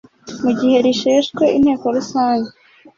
Mu gihe risheshwe inteko rusange